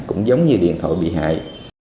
cũng giống như điện thoại bị hại